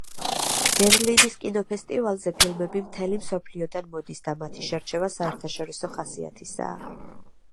ბერლინის კინოფესტივალზე ფილმები მთელი მსოფლიოდან მოდის და მათი შერჩევა საერთაშორისო ხასიათისაა.